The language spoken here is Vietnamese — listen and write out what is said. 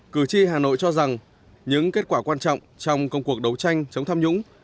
cử tri hà nội cho rằng những kết quả quan trọng trong công cuộc đấu tranh chống tham nhũng